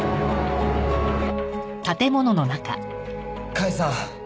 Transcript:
甲斐さん。